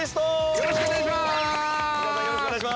よろしくお願いします。